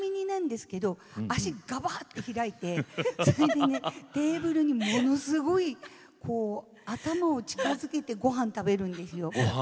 脚をがばっと開いてテーブルにものすごい頭を近づけてごはんを食べるんですよ。